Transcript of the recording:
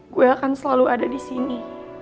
gue akan selalu ada disini